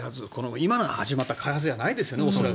今に始まった開発じゃないですよね、恐らく。